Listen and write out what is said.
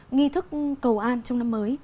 nghi thức cầu an trong năm mới